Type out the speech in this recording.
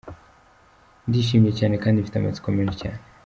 Ndishimye cyane kandi mfite amatsiko menshi cyane.